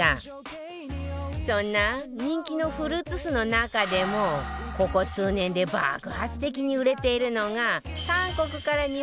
そんな人気のフルーツ酢の中でもここ数年で爆発的に売れているのが韓国から日本に入ってきた美酢